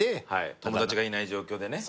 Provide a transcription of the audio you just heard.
友達がいない状況でね。